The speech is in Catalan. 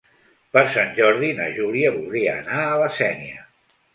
Per Sant Jordi na Júlia voldria anar a la Sénia.